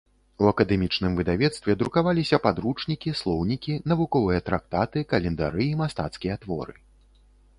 У акадэмічным выдавецтве друкаваліся падручнікі, слоўнікі, навуковыя трактаты, календары і мастацкія творы.